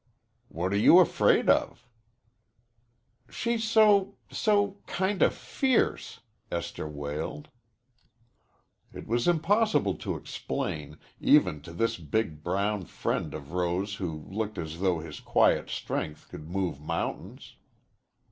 "What are you afraid of?" "She's so so kinda fierce," Esther wailed. It was impossible to explain, even to this big brown friend of Rose who looked as though his quiet strength could move mountains.